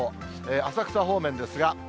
浅草方面ですが。